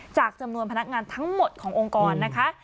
จากจำนวนพนักงานทั้งหมดขององค์กรนะคะ